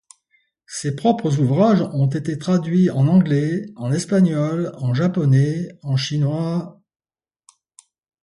Ses propres ouvrages ont été traduits en anglais, en espagnol, en japonais, en chinois...